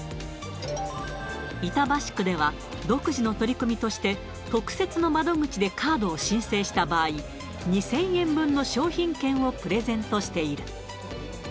板橋区では、独自の取り組みとして、特設の窓口でカードを申請した場合、２０００円分の商品券をプレゼントしている。